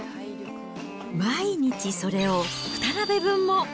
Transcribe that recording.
毎日それを２鍋分も。